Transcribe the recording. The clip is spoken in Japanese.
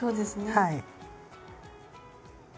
はい。